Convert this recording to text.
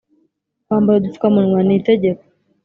kwambara udupfukamunwa ni itegeko